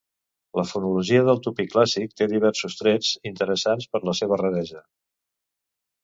La fonologia del tupí clàssic té diversos trets interessants per la seva raresa.